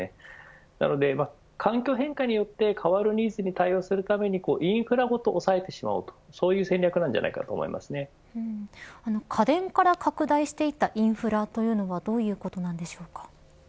なので環境変化によって変わるニーズに対応するためにインフラごと押さえてしまおうという戦略なのではないかと家電から拡大していったインフラというのはどういうことなんでしょうか。